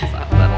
mak sabar mak